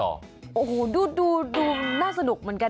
โอ้โหดูน่าสนุกเหมือนกัน